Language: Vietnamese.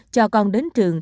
cho con đến trường